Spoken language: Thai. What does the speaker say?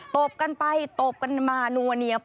โตบกันไปโตบกันมานวเนียไปหมด